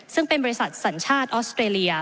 ซึ่งเป็นบริษัทสัญชาติออสเตรเลีย